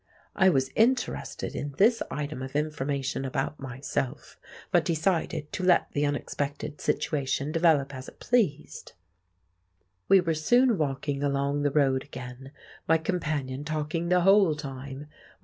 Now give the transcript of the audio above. I was interested in this item of information about myself, but decided to let the unexpected situation develop as it pleased. We were soon walking along the road again, my companion talking the whole time.